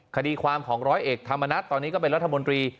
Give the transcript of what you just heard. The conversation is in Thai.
คดีความของร้อยเอกธรรมนัฐตอนนี้ก็เป็นรัฐมนตรี